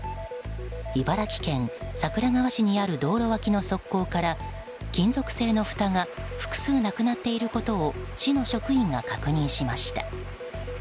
茨城県桜川市にある道路脇の側溝から金属製のふたが複数なくなっていることを市の職員が確認しました。